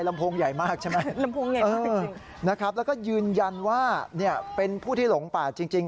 ลำโพงใหญ่มากใช่ไหมนะครับแล้วก็ยืนยันว่าเป็นผู้ที่หลงปากจริง